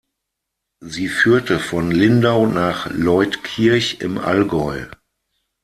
Sie führte von Lindau nach Leutkirch im Allgäu.